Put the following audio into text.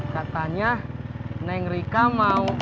katanya neng rika mau